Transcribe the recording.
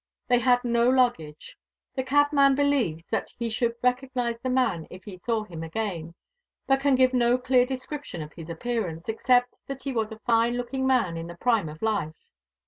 They had no luggage. The cabman believes that he should recognise the man if he saw him again, but can give no clear description of his appearance, except that he was a fine looking man in the prime of life.